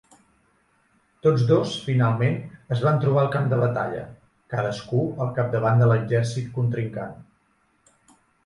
Tots dos finalment es van trobar al camp de batalla, cadascú al capdavant de l'exèrcit contrincant.